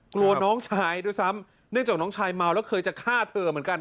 กลัวน้องชายด้วยซ้ำเนื่องจากน้องชายเมาแล้วเคยจะฆ่าเธอเหมือนกัน